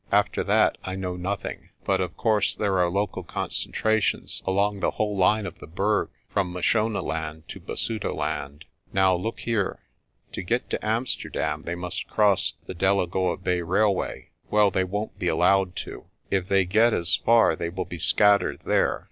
After that I know nothing, but of course there are local concentrations along the whole line of the Berg from Mashonaland to Basutoland. Now, look here. To get to Amsterdam they must cross the Delagoa Bay Railway. Well, they won't be allowed to. If they get as far, they will be scattered there.